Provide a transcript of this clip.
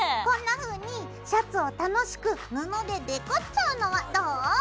こんなふうにシャツを楽しく布でデコっちゃうのはどう？